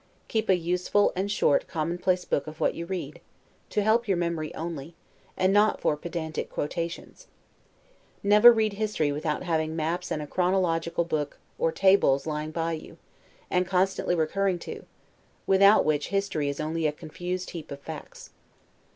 Keep a useful and short commonplace book of what you read, to help your memory only, and not for pedantic quotations. Never read history without having maps and a chronological book, or tables, lying by you, and constantly recurred to; without which history is only a confused heap of facts.